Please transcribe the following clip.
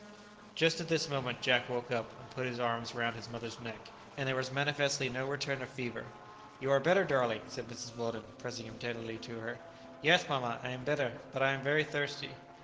Just at this moment Jack woke up and put his arms round his mother's neck. His eyes were brighter, and there was manifestly no return of fever. "You are better, darling!" said Mrs. Weldon, pressing him tenderly to her. "Yes, mamma, I am better; but I am very thirsty."